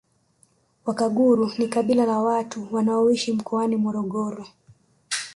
Wakaguru ni kabila la watu wanaoishi mkoani Morogoro